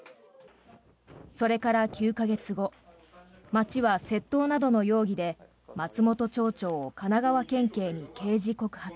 それから９か月後町は窃盗などの容疑で松本町長を神奈川県警に刑事告発。